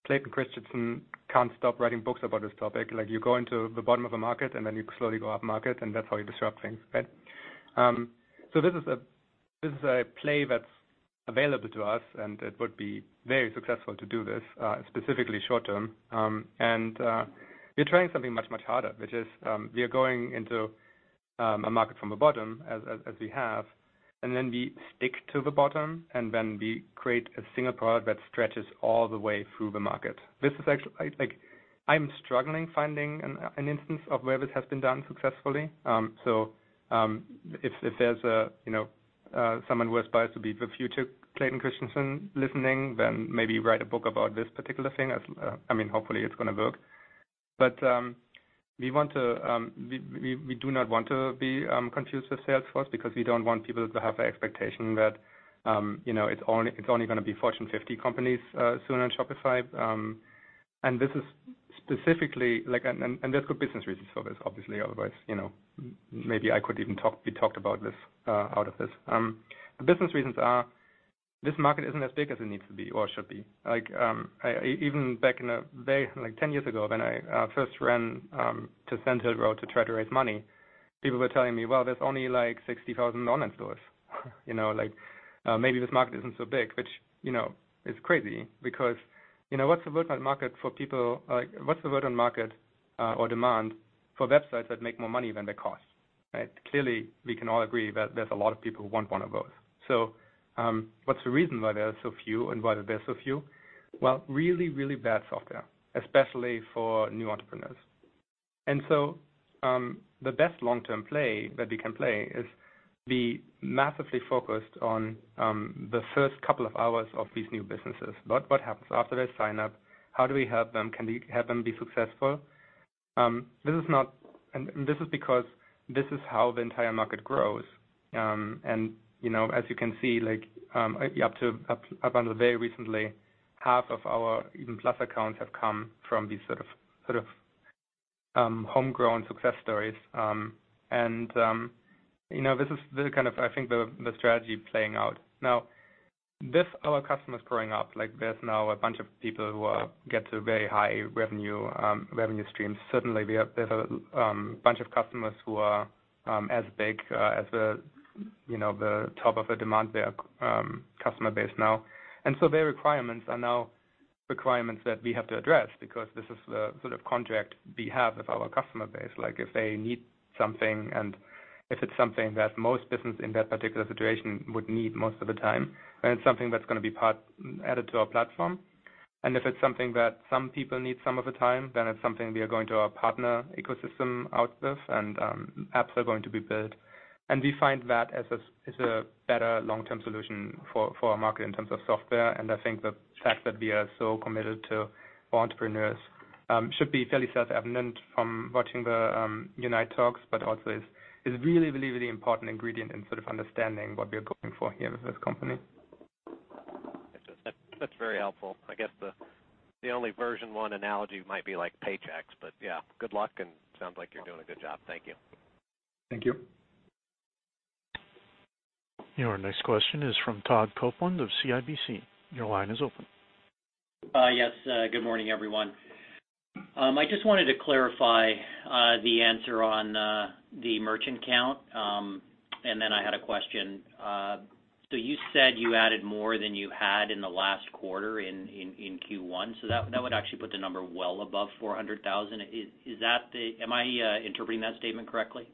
Clayton Christensen can't stop writing books about this topic. Like, you go into the bottom of a market, and then you slowly go upmarket, and that's how you disrupt things, right? This is a, this is a play that's available to us, and it would be very successful to do this specifically short term. We're trying something much, much harder, which is, we are going into a market from the bottom as, as we have, and then we stick to the bottom, and then we create a single product that stretches all the way through the market. This is actually like, I'm struggling finding an instance of where this has been done successfully. If there's a, you know, someone who aspires to be the future Clayton Christensen listening, then maybe write a book about this particular thing as, I mean, hopefully it's gonna work. We want to, we do not want to be confused with Salesforce because we don't want people to have the expectation that, you know, it's only gonna be Fortune 50 companies soon on Shopify. This is specifically like, and there's good business reasons for this obviously, otherwise, you know, maybe I could even be talked out of this. Business reasons are this market isn't as big as it needs to be or should be. Like, I, even back in the day, like 10 years ago when I first ran to Sand Hill Road to try to raise money, people were telling me, Well, there's only like 60,000 online stores. You know, like, maybe this market isn't so big, which, you know, is crazy because, you know, what's the vertical market or demand for websites that make more money than they cost, right? Clearly, we can all agree that there's a lot of people who want one of those. What's the reason why there are so few and why there's so few? Really bad software, especially for new entrepreneurs. The best long-term play that we can play is be massively focused on the first couple of hours of these new businesses. What happens after they sign up? How do we help them? Can we help them be successful? This is because this is how the entire market grows. You know, as you can see, like, up until very recently, half of our even Plus accounts have come from these sort of homegrown success stories. You know, this is the kind of, I think the strategy playing out. Now, our customers growing up, like there's now a bunch of people who are get to very high revenue revenue streams. Certainly there's a bunch of customers who are as big as the, you know, the top of a Demandware customer base now. Their requirements are now requirements that we have to address because this is the sort of contract we have with our customer base. Like if they need something and if it's something that most business in that particular situation would need most of the time, then it's something that's gonna be part added to our platform. If it's something that some people need some of the time, then it's something we are going to our partner ecosystem out with, and apps are going to be built. We find that as a, as a better long-term solution for our market in terms of software. I think the fact that we are so committed to entrepreneurs, should be fairly self-evident from watching the Unite talks, but also is really, really, really important ingredient in sort of understanding what we are going for here with this company. That's very helpful. I guess the only version 1 analogy might be like Paychex, but yeah. Good luck and sounds like you're doing a good job. Thank you. Thank you. Your next question is from Todd Coupland of CIBC. Your line is open. Yes. Good morning, everyone. I just wanted to clarify the answer on the merchant count. I had a question. You said you added more than you had in the last quarter in Q1, so that would actually put the number well above 400,000. Is that the Am I interpreting that statement correctly?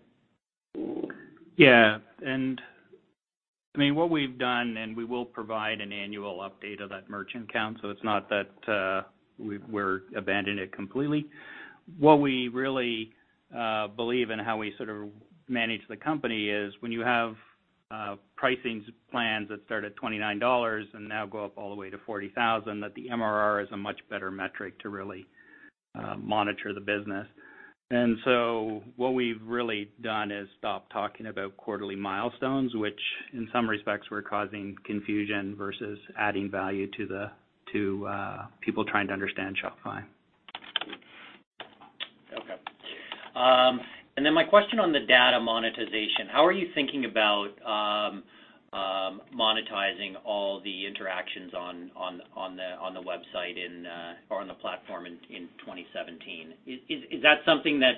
Yeah. I mean, what we've done, and we will provide an annual update of that merchant count, so it's not that we abandoned it completely. What we really believe and how we sort of manage the company is when you have pricing plans that start at $29 and now go up all the way to $40,000, that the MRR is a much better metric to really monitor the business. What we've really done is stop talking about quarterly milestones, which in some respects were causing confusion versus adding value to the people trying to understand Shopify. Okay. My question on the data monetization, how are you thinking about monetizing all the interactions on the website or on the platform in 2017? Is that something that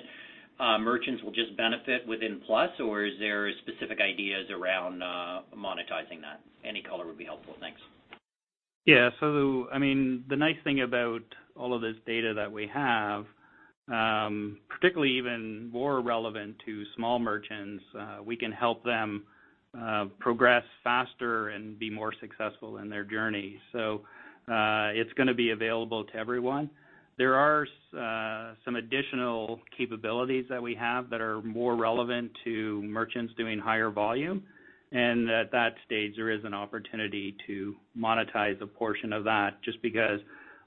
merchants will just benefit within Plus, or is there specific ideas around monetizing that? Any color would be helpful. Thanks. I mean, the nice thing about all of this data that we have, particularly even more relevant to small merchants, we can help them progress faster and be more successful in their journey. It's gonna be available to everyone. There are some additional capabilities that we have that are more relevant to merchants doing higher volume. At that stage, there is an opportunity to monetize a portion of that, just because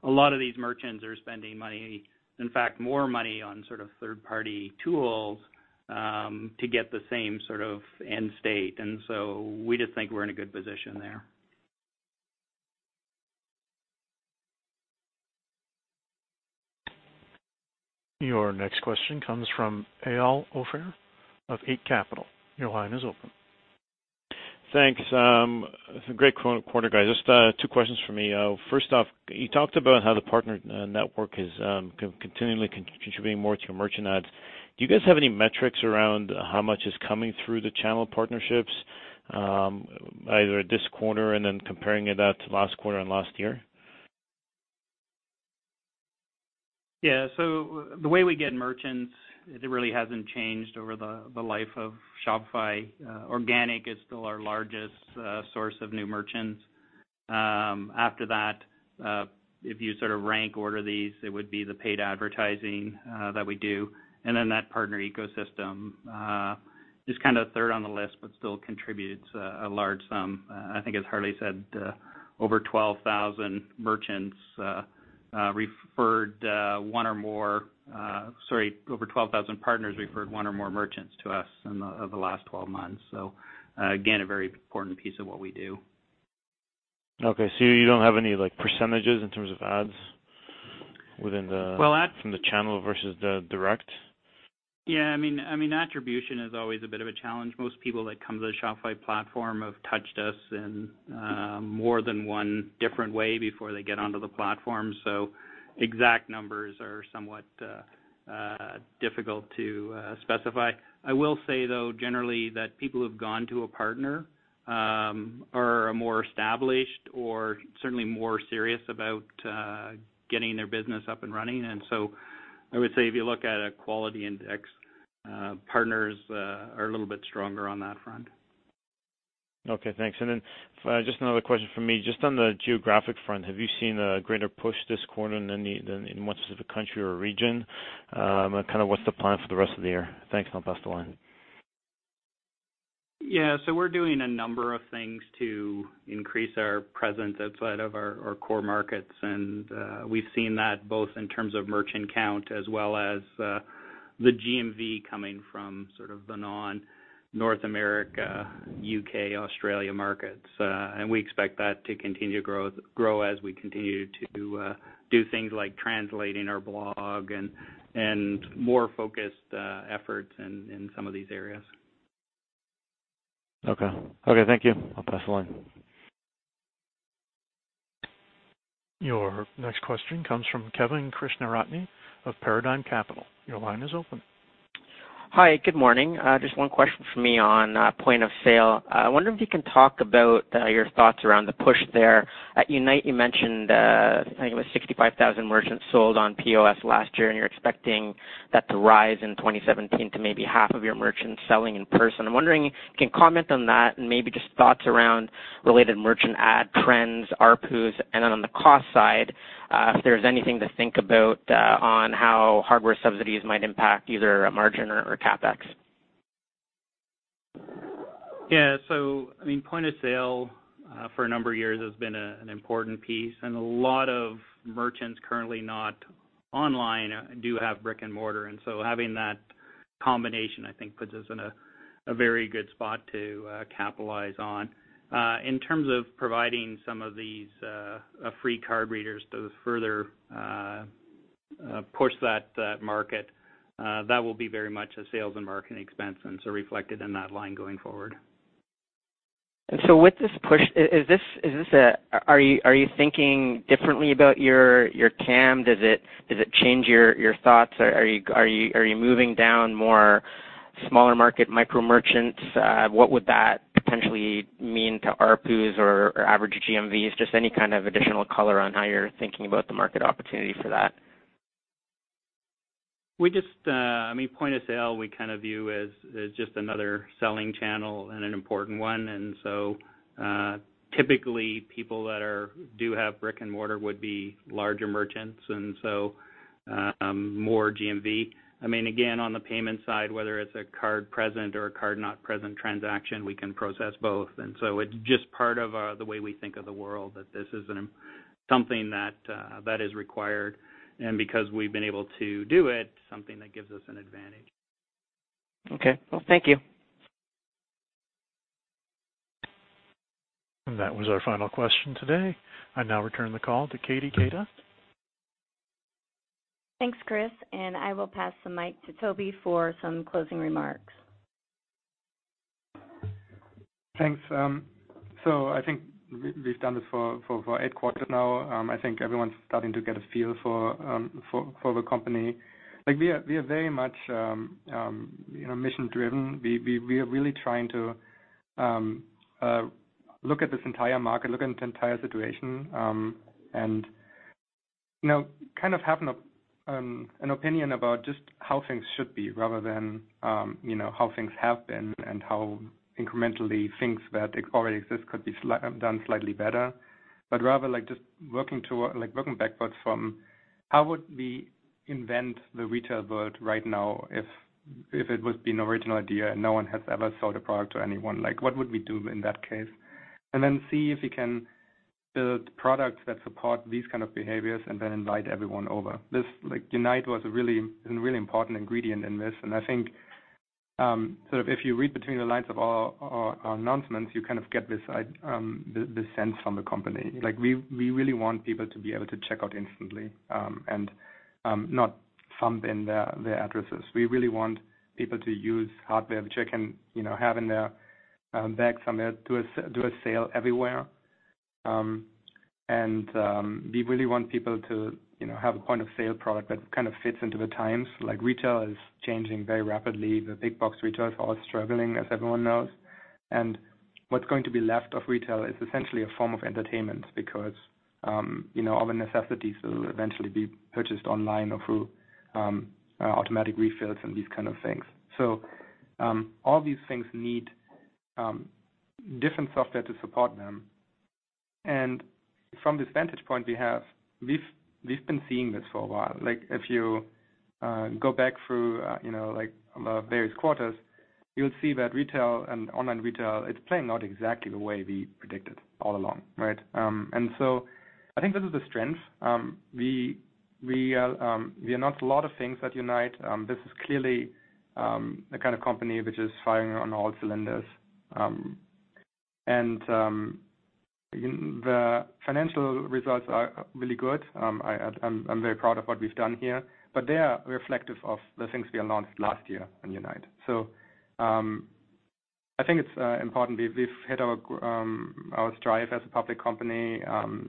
a lot of these merchants are spending money, in fact more money on sort of third-party tools, to get the same sort of end state. We just think we're in a good position there. Your next question comes from Eyal Ofir of Eight Capital. Your line is open. Thanks. It's a great quarter, guys. Just two questions from me. First off, you talked about how the partner network is continually contributing more to your merchant adds. Do you guys have any metrics around how much is coming through the channel partnerships, either this quarter and then comparing it out to last quarter and last year? Yeah. The way we get merchants, it really hasn't changed over the life of Shopify. Organic is still our largest source of new merchants. After that, if you sort of rank order these, it would be the paid advertising that we do. That partner ecosystem is kind of third on the list, but still contributes a large sum. I think as Harley said, Sorry, over 12,000 partners referred one or more merchants to us in the last 12 months. Again, a very important piece of what we do. Okay. you don't have any, like, percentage in terms of adds within. Well. From the channel versus the direct? Yeah, I mean attribution is always a bit of a challenge. Most people that come to the Shopify platform have touched us in more than one different way before they get onto the platform. Exact numbers are somewhat difficult to specify. I will say though, generally, that people who've gone to a partner are more established or certainly more serious about getting their business up and running. I would say if you look at a quality index, partners are a little bit stronger on that front. Okay, thanks. Just another question from me. Just on the geographic front, have you seen a greater push this quarter than any, than in what specific country or region? Kind of what's the plan for the rest of the year? Thanks. I'll pass the line. Yeah. We're doing a number of things to increase our presence outside of our core markets. We've seen that both in terms of merchant count as well as the GMV coming from sort of the non-North America, U.K., Australia markets. We expect that to continue grow as we continue to do things like translating our blog and more focused efforts in some of these areas. Okay. Okay, thank you. I'll pass the line. Your next question comes from Kevin Krishnaratne of Paradigm Capital. Your line is open. Hi, good morning. Just one question from me on point of sale. I wonder if you can talk about your thoughts around the push there. At Unite, you mentioned, I think it was 65,000 merchants sold on POS last year, and you're expecting that to rise in 2017 to maybe half of your merchants selling in person. I'm wondering if you can comment on that and maybe just thoughts around related merchant ad trends, ARPU, and then on the cost side, if there's anything to think about on how hardware subsidies might impact either margin or CapEx. Yeah. I mean, point of sale for a number of years has been an important piece, and a lot of merchants currently not online do have brick and mortar. Having that combination, I think puts us in a very good spot to capitalize on. In terms of providing some of these free card readers to further push that market, that will be very much a sales and marketing expense and so reflected in that line going forward. With this push, are you thinking differently about your TAM? Does it change your thoughts? Are you moving down more smaller market micro merchants? What would that potentially mean to ARPUs or average GMVs? Just any kind of additional color on how you're thinking about the market opportunity for that. We just point of sale, we kind of view as just another selling channel and an important one. Typically people that do have brick and mortar would be larger merchants and so more GMV. Again, on the payment side, whether it's a card present or a card not present transaction, we can process both. It's just part of the way we think of the world, that this is something that is required. Because we've been able to do it, something that gives us an advantage. Okay. Well, thank you. That was our final question today. I now return the call to Katie Keita. Thanks, Chris. I will pass the mic to Tobi for some closing remarks. Thanks. I think we've done this for eight quarters now. I think everyone's starting to get a feel for the company. Like we are very much, you know, mission driven. We are really trying to look at this entire market, look at the entire situation. You know, kind of have an opinion about just how things should be rather than, you know, how things have been and how incrementally things that already exist could be done slightly better. Rather like just working toward Like working backwards from how would we invent the retail world right now if it would be an original idea and no one has ever sold a product to anyone, like, what would we do in that case? Then see if we can build products that support these kind of behaviors and then invite everyone over. This, like, Unite was a really important ingredient in this. I think, sort of if you read between the lines of our announcements, you kind of get this sense from the company. Like, we really want people to be able to check out instantly, and not thumb in their addresses. We really want people to use hardware, which I can, you know, have in their bag somewhere, do a sale everywhere. We really want people to, you know, have a point of sale product that kind of fits into the times, like retail is changing very rapidly. The big box retailers are all struggling, as everyone knows. What's going to be left of retail is essentially a form of entertainment because, you know, all the necessities will eventually be purchased online or through automatic refills and these kind of things. All these things need different software to support them. From this vantage point we've been seeing this for a while. Like, if you go back through, you know, like the various quarters, you'll see that retail and online retail, it's playing out exactly the way we predicted all along, right? I think this is a strength. We announced a lot of things at Unite. This is clearly the kind of company which is firing on all cylinders. The financial results are really good. I'm very proud of what we've done here, but they are reflective of the things we announced last year in Unite. I think it's important. We've hit our stride as a public company.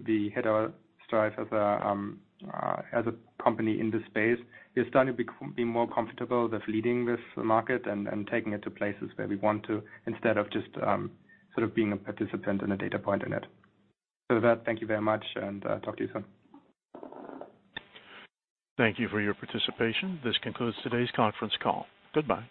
We hit our stride as a company in this space. We're starting to be more comfortable with leading this market and taking it to places where we want to, instead of just sort of being a participant and a data point in it. With that, thank you very much and talk to you soon. Thank you for your participation. This concludes today's conference call. Goodbye.